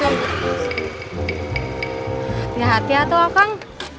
hati hati ya tuh okang